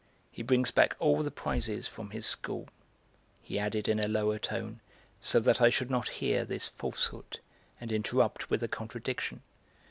He brings back all the prizes from his school," he added in a lower tone, so that I should not hear this falsehood and interrupt with a contradiction.